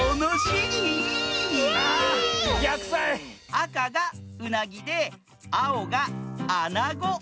あかがうなぎであおがあなご！